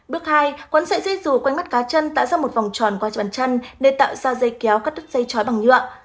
bước hai quấn sợi dây dù quanh mắt cá chân tạo ra một vòng tròn qua chân bàn chân để tạo ra dây kéo cắt đứt dây chói bằng nhựa